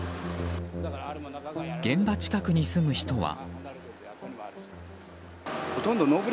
現場近くに住む人は。